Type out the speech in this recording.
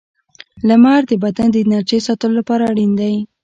• لمر د بدن د انرژۍ ساتلو لپاره اړین دی.